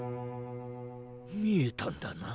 見えたんだな？